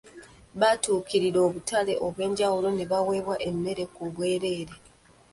Batuukirira obutale obwenjawulo ne baweebwa emmere ku bwereere.